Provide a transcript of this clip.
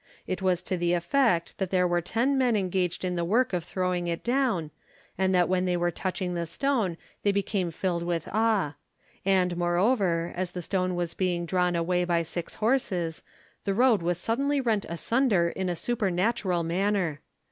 It was to the effect that there were ten men engaged in the work of throwing it down, and that when they were touching the stone they became filled with awe; and moreover, as the stone was being drawn away by six horses the road was suddenly rent asunder in a supernatural manner.